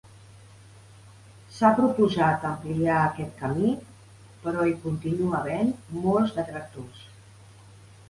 S'ha proposat ampliar aquest camí, però hi continua havent molts detractors.